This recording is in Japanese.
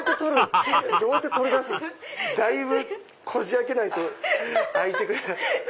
ハハハハハだいぶこじ開けないと開いてくれない。